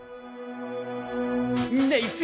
ナイス！